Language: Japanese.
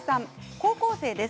高校生です。